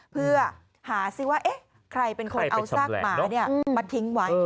เพื่อหาซิว่าใครเป็นคนเอาซากหมามาทิ้งไว้